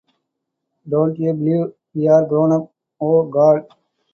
Don't you believe we're grown up... Oh, God.